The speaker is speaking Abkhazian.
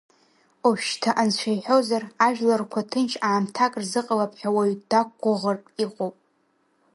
Ожәшьҭа анцәа иҳәозар, ажәларқуа ҭынч аамҭак рзыҟалап ҳәа уаҩ дақугуӷыртә иҟоуп.